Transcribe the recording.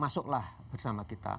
masuklah bersama kita